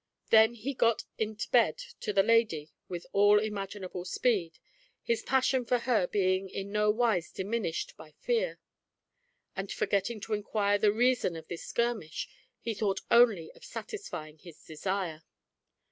Then he got into bed to the lady with all imaginable speed, his passion for her being in no wise diminished by fear; and forgetting to inquire the reason of this skirmish, he thought only of satisfying his desire.